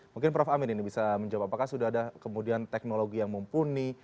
mungkin prof amin ini bisa menjawab apakah sudah ada kemudian teknologi yang mumpuni